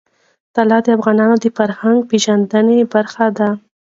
طلا د افغانانو د فرهنګي پیژندنې برخه ده.